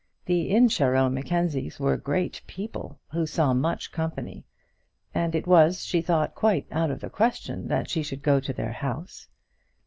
The Incharrow Mackenzies were great people who saw much company, and it was, she thought, quite out of the question that she should go to their house.